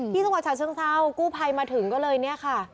จังหวัดฉะเชิงเศร้ากู้ภัยมาถึงก็เลยเนี่ยค่ะ